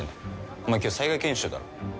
お前今日災害研修だろ。